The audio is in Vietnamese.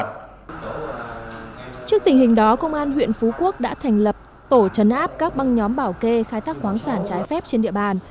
trước tình hình đó công an huyện phú quốc đã thành lập tổ chấn áp các băng nhóm bảo kê khai thác khoáng sản trái phép trên địa bàn